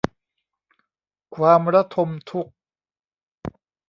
ความระทมทุกข์